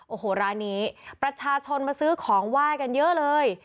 โอ้โหร้านนี้ประชาชนมาซื้อของไหว้กันเยอะเลย